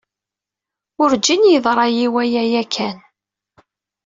Urǧin yeḍra-yi waya yakan.